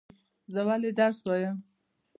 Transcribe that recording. زه ولی درس وایم؟